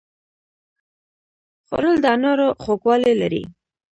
خوړل د انارو خوږوالی لري